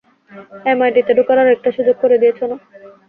এমআইটিতে ঢোকার আরেকটা সুযোগ করে দিয়েছ না?